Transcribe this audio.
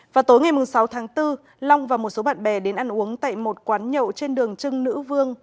vào tối ngày sáu tháng bốn long và một số bạn bè đến ăn uống tại một quán nhậu trên đường trưng nữ vương